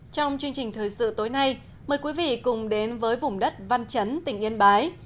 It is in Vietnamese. trong chương trình thời sự tối nay mời quý vị cùng đến với vùng đất văn chấn tỉnh yên bái